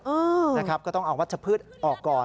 นะครับก็ต้องเอาวัชพืชออกก่อน